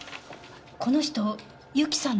この人由紀さんの。